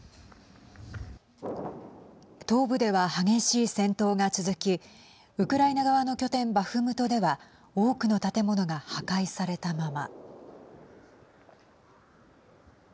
東部では激しい戦闘が続きウクライナ側の拠点バフムトでは多くの建物が破壊されたまま。